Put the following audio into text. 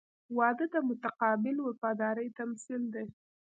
• واده د متقابل وفادارۍ تمثیل دی.